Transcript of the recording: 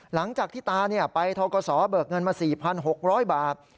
หลังจากที่ตาไปทกศเบิกเงินมา๔๖๐๐บาท